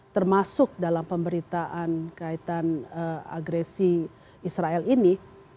termasuk dalam pemberitaan kaitan agresi israel ini